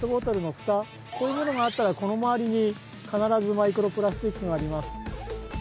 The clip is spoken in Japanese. こういうものがあったらこのまわりにかならずマイクロプラスチックがあります。